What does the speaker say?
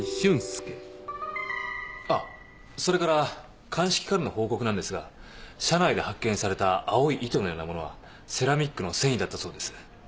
あっそれから鑑識からの報告なんですが車内で発見された青い糸のようなものはセラミックの繊維だったそうです。